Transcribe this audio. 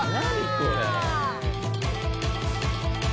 これ！